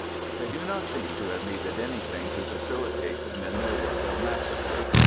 They do not seem to have needed anything to facilitate them in their work of massacre.